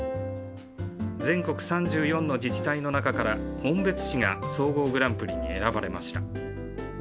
全国３４の自治体の中から、紋別市が総合グランプリに選ばれました。